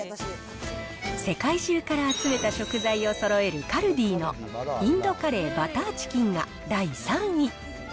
世界中から集めた食材をそろえるカルディのインドカレーバターチキンが第３位。